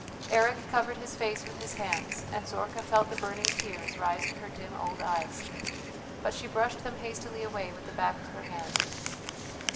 Eric covered his face with his hands, and Zorka felt the burning tears rise to her dim old eyes, but she brushed them hastily away with the back of her hand.